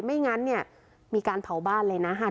ไม่งั้นเนี่ยมีการเผาบ้านเลยนะ